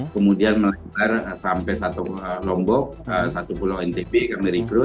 kemudian melebar sampai satu lombok satu pulau ntb kami rekrut